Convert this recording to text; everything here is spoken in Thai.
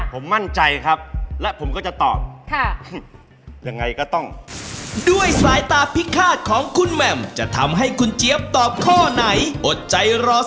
ผมมั่นใจครับและผมก็จะตอบค่ะ